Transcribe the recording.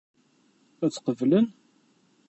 Ad tt-qeblen?